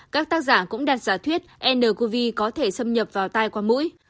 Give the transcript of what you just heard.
các tác giả cũng đặt giả thuyết ncov có thể xâm nhập vào tay qua mũi